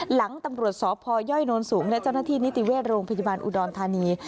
หลังตำรวจสพยโนนสูงและเจ้าหน้าที่นิติเวชโรงพยาบาลอุดรธานี